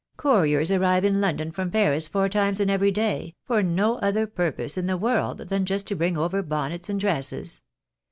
Couriers arrive in London from Paris four times in every day, for no other purpose in the world than just to bring over bonnets and dresses.